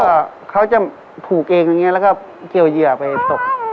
ก็เขาจะผูกเองอย่างนี้แล้วก็เกี่ยวเหยื่อไปตก